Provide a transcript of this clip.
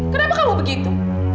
kenapa kamu begitu